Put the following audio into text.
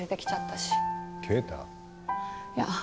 いや。